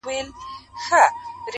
زما پر لاره برابر راسره مه ځه٫